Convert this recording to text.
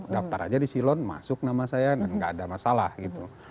daftar aja di silon masuk nama saya dan nggak ada masalah gitu